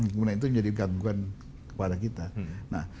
kemudian itu menjadi gangguan kepada kita